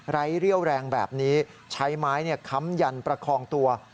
เรี่ยวแรงแบบนี้ใช้ไม้ค้ำยันประคองตัว